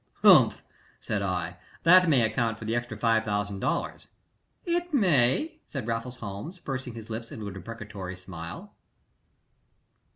'" "Humph!" said I. "That may account for the extra $5000 " "It may," said Raffles Holmes, pursing his lips into a deprecatory smile.